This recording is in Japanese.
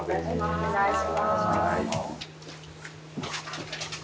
お願いします。